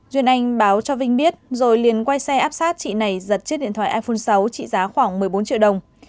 duyên anh báo cho vinh biết rồi liền quay xe áp sát chị này giật chiếc điện thoại iphone sáu trị giá khoảng một mươi bốn triệu đồng